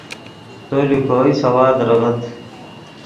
تو لے کوئی سوا دریغت